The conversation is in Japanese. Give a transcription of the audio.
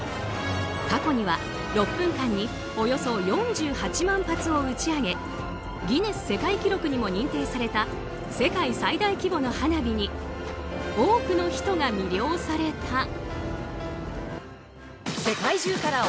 過去には６分間におよそ４８万発を打ち上げギネス世界記録にも認定された世界最大規模の花火に多くの人が魅了された。